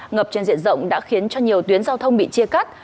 ngập trên diện rộng đã khiến cho nhiều tuyến giao thông bị chia cắt